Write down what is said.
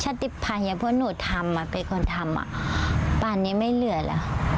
สติภัยอย่างพวกหนูทำเป็นคนทำป่านนี้ไม่เหลือแล้ว